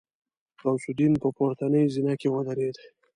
غوث الدين په پورتنۍ زينه کې ودرېد.